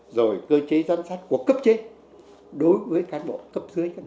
rồi cơ chế giám sát của cấp trên đối với cán bộ cấp dưới